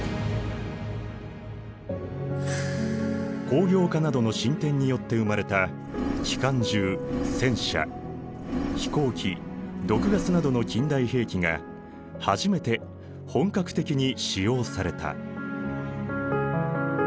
工業化などの進展によって生まれた機関銃戦車飛行機毒ガスなどの近代兵器が初めて本格的に使用された。